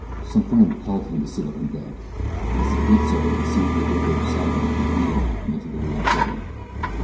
Something impelled him to sit up in bed, and as he did so he could see through the window beside him into the yard at the rear of the building.